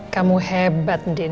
kamu hebat andin